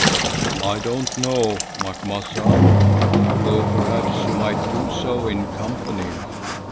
"I don't know, Macumazahn, though perhaps you might do so in company.